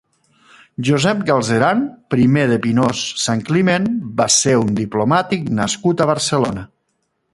Josep Galceran primer de Pinós-Santcliment va ser un diplomàtic nascut a Barcelona.